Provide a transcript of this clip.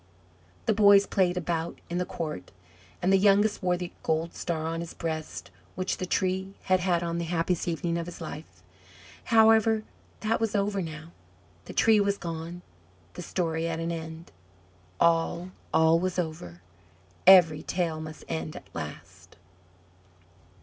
The boys played about in the court, and the youngest wore the gold star on his breast which the Tree had had on the happiest evening of his life. However, that was over now the Tree gone, the story at an end. All, all was over; every tale must end at last.